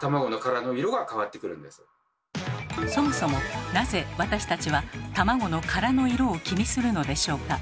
そもそもなぜ私たちは卵の殻の色を気にするのでしょうか？